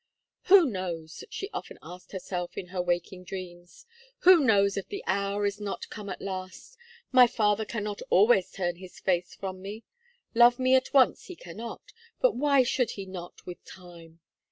"Who knows," she often asked herself, in her waking dreams, "who knows if the hour is not come at last? My father cannot always turn his face from me. Love me at once he cannot; but why should he not with time?"